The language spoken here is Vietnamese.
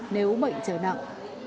nếu mệnh trở nặng